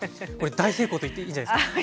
大成功といっていいんじゃないですか。